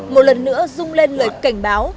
một lần nữa rung lên lời cảnh báo